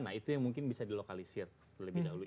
nah itu yang mungkin bisa dilokalisir lebih dahulu